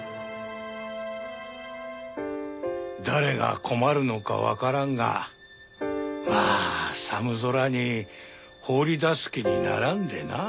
誰が困るのかわからんがまあ寒空に放り出す気にならんでなあ。